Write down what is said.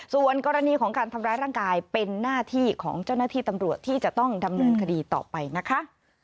ส่วนกรณีของการทำร้ายร่างกายเป็นหน้าที่ของเจ้าหน้าที่ตำรวจที่จะต้องดำเนินคดีต่อไปนะคะ